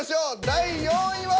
第４位は！？